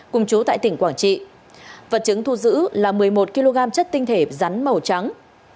cùng chú tại tỉnh quảng trị vật chứng thu giữ là một mươi một kg chất tinh thể rắn màu trắng